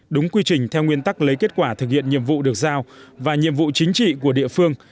đúng quy trình theo nguyên tắc lấy kết quả thực hiện nhiệm vụ được giao và nhiệm vụ chính trị của địa phương